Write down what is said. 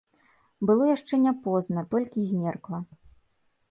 Было яшчэ не позна, толькі змеркла.